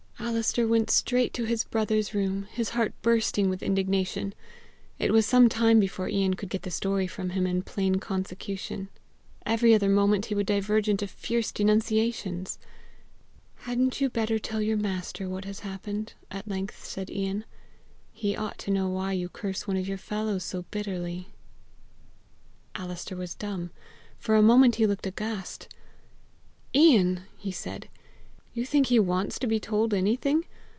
Alister went straight to his brother's room, his heart bursting with indignation. It was some time before Ian could get the story from him in plain consecution; every other moment he would diverge into fierce denunciations. "Hadn't you better tell your master what has happened?" at length said Ian. "He ought to know why you curse one of your fellows so bitterly." Alister was dumb. For a moment he looked aghast. "Ian!" he said: "You think he wants to be told anything?